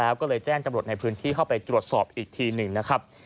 แล้วก็เลยแจ้งจำรวจในพื้นที่เข้าไปตรวจสอบอีกทีหนึ่งนะครับ